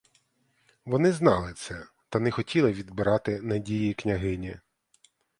Вони знали це, та не хотіли відбирати надії княгині.